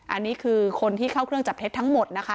อันนี้คือคนที่เข้าเครื่องจับเท็จทั้งหมดนะคะ